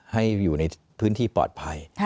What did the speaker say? ให้อยู่ในพื้นที่ปลอดภัย